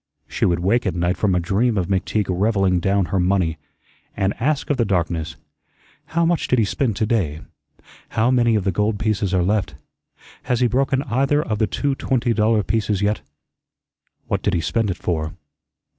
She would wake at night from a dream of McTeague revelling down her money, and ask of the darkness, "How much did he spend to day? How many of the gold pieces are left? Has he broken either of the two twenty dollar pieces yet? What did he spend it for?"